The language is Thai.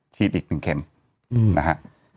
อีก๑เข็มนะฮะ